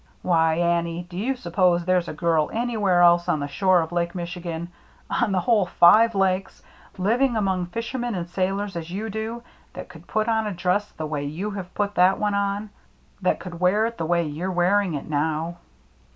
Why, Annie, do you suppose there's a girl anywhere else on the shore of Lake Michigan — on the whole five Lakes — living among fishermen and sailors, as you do, that could put on a dress the way you have put that one on, that could wear it the way you're wearing it now?